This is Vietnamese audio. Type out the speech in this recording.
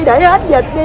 để hết dịch đi